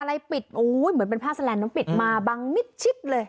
อะไรปิดโอ้ยเหมือนเป็นผ้าแสลนดแล้วปิดมาบังมิดชิดเลย